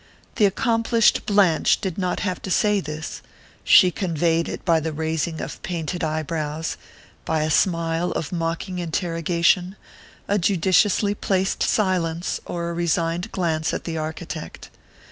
The accomplished Blanche did not have to say this she conveyed it by the raising of painted brows, by a smile of mocking interrogation, a judiciously placed silence or a resigned glance at the architect.